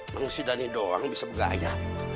mengisi dani doang bisa pegangnya